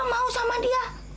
kenapa mau sama dia